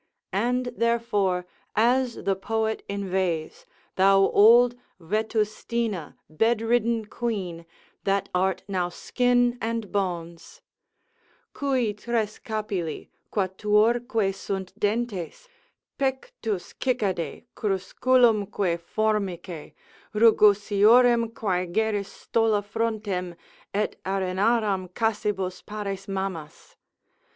And, therefore, as the poet inveighs, thou old Vetustina bedridden quean, that art now skin and bones, Cui tres capilli, quatuorque sunt dentes, Pectus cicadae, crusculumque formicae, Rugosiorem quae geris stola frontem, Et arenaram cassibus pares mammas.